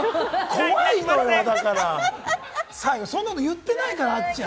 怖いのよ、だから、そんなの言ってないから、あっちゃん。